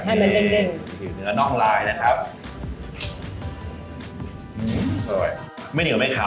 เนื้อนองไลน์นะครับ